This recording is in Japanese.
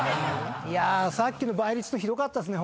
さっきの倍率のひどかったっすね